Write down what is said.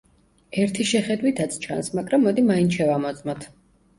ერთი შეხედვითაც ჩანს, მაგრამ მოდი მაინც შევამოწმოთ.